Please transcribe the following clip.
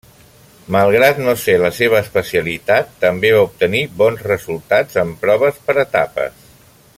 Malgrat no ser la seva especialitat, també va obtenir bons resultats en proves per etapes.